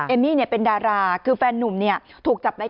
มี่เป็นดาราคือแฟนนุ่มเนี่ยถูกจับได้